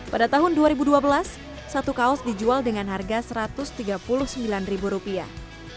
pada tahun dua ribu dua belas satu kaos dijual dengan harga satu ratus tiga puluh sembilan ribu rupiah